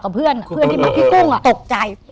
ก็เป็นพี่กุ้งค่ะ